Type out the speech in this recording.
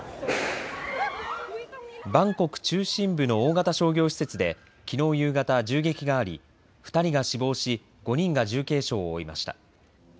バンコク中心部の大型商業施設で、きのう夕方銃撃があり、２人が死亡し５人が重軽傷を負いました。